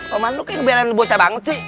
paman lo kayak ngebelain bocah banget sih